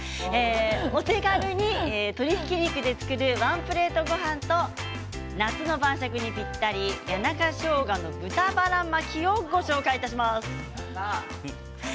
お手軽に鶏ひき肉で作るワンプレートごはんと夏の晩酌にぴったり谷中しょうがの豚バラ巻きをご紹介いたします。